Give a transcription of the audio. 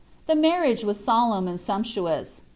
The marriage was solemn and sumptuous.